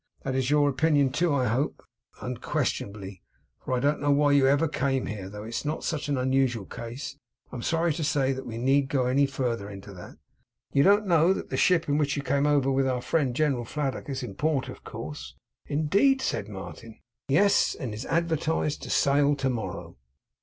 'That is your opinion too, I hope?' 'Unquestionably. For I don't know why you ever came here; though it's not such an unusual case, I am sorry to say, that we need go any farther into that. You don't know that the ship in which you came over with our friend General Fladdock, is in port, of course?' 'Indeed!' said Martin. 'Yes. And is advertised to sail to morrow.